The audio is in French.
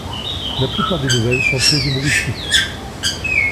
La plupart des nouvelles sont très humoristiques.